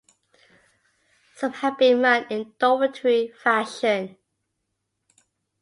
Some have been run in dormitory fashion.